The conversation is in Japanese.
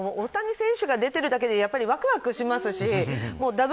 大谷選手が出ているだけでワクワクします。